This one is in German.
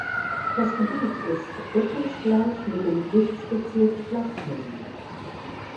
Das Gebiet ist deckungsgleich mit dem Gerichtsbezirk Schladming.